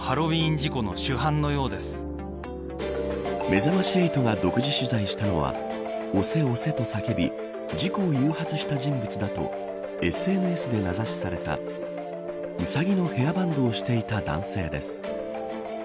めざまし８が独自取材したのは押せ押せと叫び事故を誘発した人物だとＳＮＳで名指しされたウサギのヘアバンドをしていた男性です。